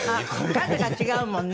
数が違うもんね。